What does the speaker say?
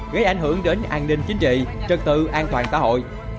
gây ảnh hưởng đến an ninh chính trị trật tự an toàn xã hội